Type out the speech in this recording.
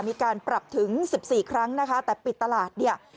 มีการปรับถึง๑๔ครั้งนะคะแต่ปิดตลาดเนี่ย